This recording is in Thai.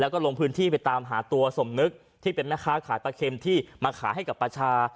แล้วก็ลงพื้นที่ไปตามหาตัวสมนึกที่เป็นแม่ค้าขายปลาเค็มที่มาขายให้กับประชา